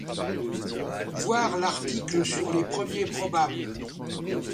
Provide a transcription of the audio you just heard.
Voir l'article sur les premiers probables.